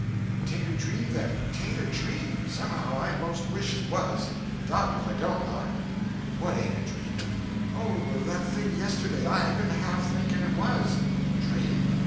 "'Tain't a dream, then, 'tain't a dream! Somehow I most wish it was. Dog'd if I don't, Huck." "What ain't a dream?" "Oh, that thing yesterday. I been half thinking it was." "Dream!